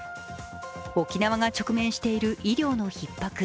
沖縄が直面している医療のひっ迫。